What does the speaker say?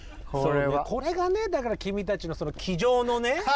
これがねだから君たちの机上のね